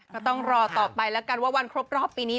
ก็ต้องรอต่อไปแล้วกันว่าวันครบรอบปีนี้